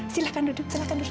silahkan duduk silahkan duduk